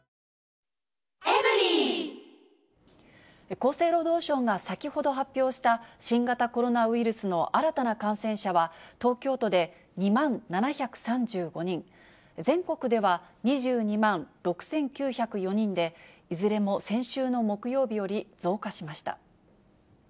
厚生労働省が先ほど発表した新型コロナウイルスの新たな感染者は、東京都で２万７３５人、全国では２２万６９０４人で、いずれも先週の木曜日より増加しました。